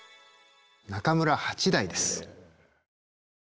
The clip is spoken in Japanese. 中村八大です。